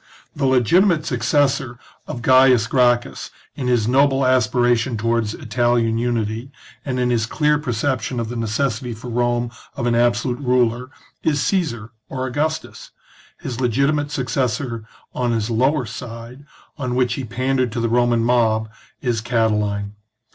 The legitimate suc cessor of Gains Gracchus in his noble aspiration to wards Italian unity, and in his clear perception of the necessity for Rome of an absolute ruler, is Caesar or Augustus ; his legitimate successor on his lower side, on which he pandered to the Roman mob, is Cati line.